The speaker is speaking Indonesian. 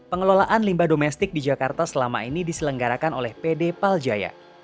pengelolaan limbah domestik di jakarta selama ini diselenggarakan oleh pd paljaya